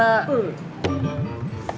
cari buat makan dimana